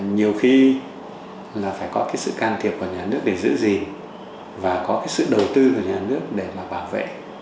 nhiều khi là phải có cái sự can thiệp của nhà nước để giữ gìn và có cái sự đầu tư của nhà nước để mà bảo vệ